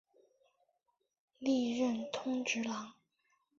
历任通直郎。